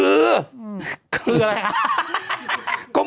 คืออะไรครับ